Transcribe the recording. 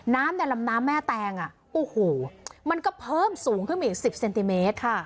น้ำในลำน้ำแม่แตงมันก็เพิ่มสูงขึ้นไปอีก๑๐เซนติเมตร